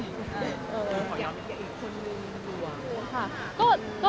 คุณขอยาวนิดหน่อยคนหนึ่งคุณค่ะ